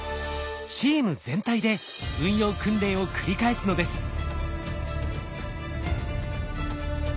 チーム全体で運用訓練を繰り返すのです。